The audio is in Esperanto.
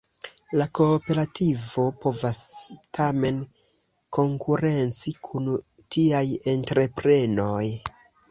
La kooperativo povas tamen konkurenci kun tiaj entreprenoj.